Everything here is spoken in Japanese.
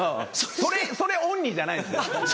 それオンリーじゃないですよ。